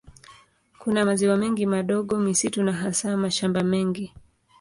Kuna maziwa mengi madogo, misitu na hasa mashamba mengi.